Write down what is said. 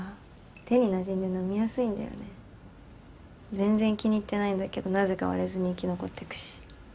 全然気に入ってないんだけどなぜか割れずに生き残ってくし。